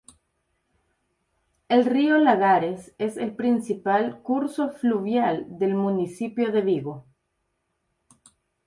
El río Lagares es el principal curso fluvial del municipio de Vigo.